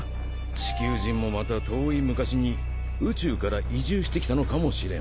地球人もまた遠い昔に茲移住してきたのかもしれん。